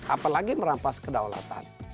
apalagi merampas kedaulatan